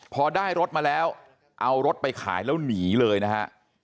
พอได้รถมาแล้วเอารถไปขายแล้วหนีเลยนะฮะ